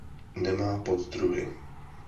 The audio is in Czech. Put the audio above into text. Nemá poddruhy.